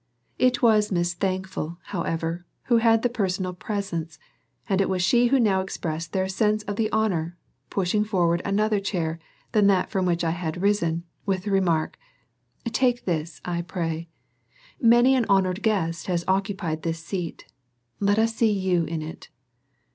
It was Miss Thankful, however, who had the personal presence, and it was she who now expressed their sense of the honor, pushing forward another chair than that from which I had risen, with the remark: "Take this, I pray. Many an honored guest has occupied this seat. Let us see you in it."